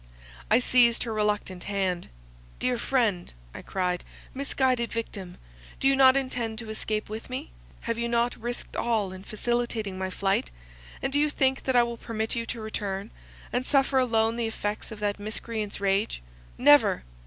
I seized her reluctant hand—"Dear friend," I cried, "misguided victim, do you not intend to escape with me? Have you not risked all in facilitating my flight? and do you think, that I will permit you to return, and suffer alone the effects of that miscreant's rage? Never!"